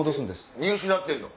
見失ってるの？